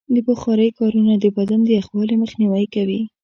د بخارۍ کارونه د بدن د یخوالي مخنیوی کوي.